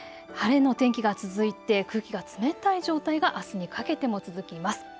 晴れの天気が続いて空気が冷たい状態があすにかけても続きます。